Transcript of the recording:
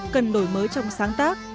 cần đổi mới trong sáng tác